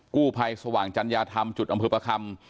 กู้ภัยสว่างจัญญาธรรมจุดอำเภอประคำ